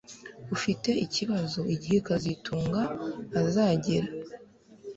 Ufite igitekerezo igihe kazitunga azagera